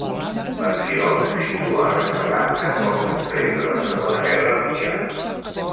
L'acció se situa a Casablanca, poc després de la Segona Guerra Mundial.